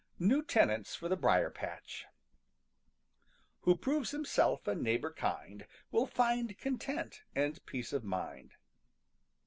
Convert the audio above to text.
NEW TENANTS FOR THE BRIAR PATCH ````Who proves himself a neighbor kind ````Will find content and peace of mind.